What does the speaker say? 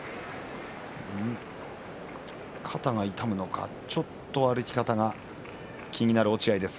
肩が痛むのかちょっと歩き方が気になる落合です。